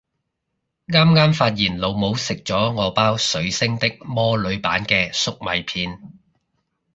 啱啱發現老母食咗我包水星的魔女版嘅粟米片